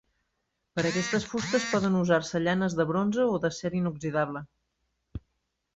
Per a aquestes fustes poden usar-se llanes de bronze o d'acer inoxidable.